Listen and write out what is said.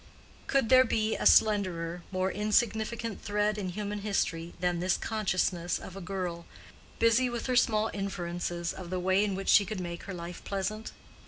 Could there be a slenderer, more insignificant thread in human history than this consciousness of a girl, busy with her small inferences of the way in which she could make her life pleasant?